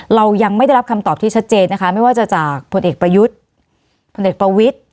เรายังไม่ได้รับคำตอบที่ชัดเจนนะคะไม่ว่าจะจากผลเอกประยุทธ์ผลเอกประวิทธิ์